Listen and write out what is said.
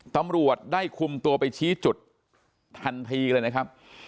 ตำรวจได้คุมตัวไปชี้จุดทันทีเลยนะครับ